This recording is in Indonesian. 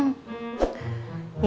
kak mus kak cedok